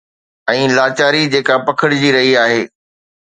۽ لاچاري جيڪا پکڙجي رهي آهي.